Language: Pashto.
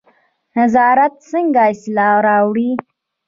نظارت څنګه اصلاح راوړي؟